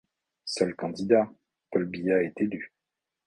Seul candidat, Paul Biya est élu.